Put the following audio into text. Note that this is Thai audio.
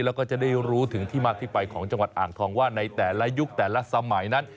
แล้วก็จะได้รู้ถึงที่มาที่ไปของจังหวัดอ่างทองว่าในแต่ละยุคแต่ละสมัยนั้น